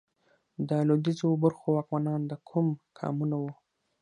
د لوېدیځو برخو واکمنان د کوم قامونه وو؟